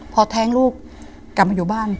พอแท้งลูกกลับมาอยู่บ้าน